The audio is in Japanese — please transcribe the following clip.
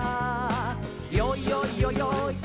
「よいよいよよい